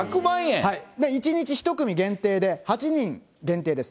一日１組限定で、８人限定です。